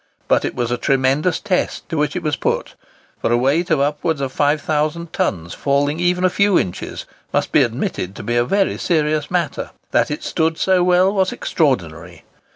But it was a tremendous test to which it was put, for a weight of upwards of 5000 tons falling even a few inches must be admitted to be a very serious matter. That it stood so well was extraordinary.